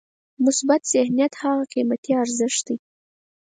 مثبت ذهنیت هغه قیمتي ارزښت دی.